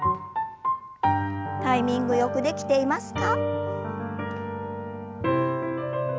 タイミングよくできていますか？